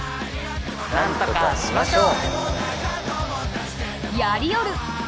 なんとかしましょう！！